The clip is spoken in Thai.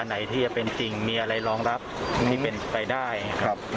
ไหนที่จะเป็นสิ่งมีอะไรรองรับนี่เป็นไปได้ครับ